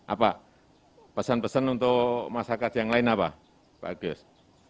apa pesan pesan untuk masyarakat yang lain apa pak agus